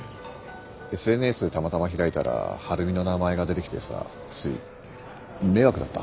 ＳＮＳたまたま開いたら晴美の名前が出てきてさつい迷惑だった？